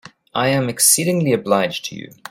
I am exceedingly obliged to you.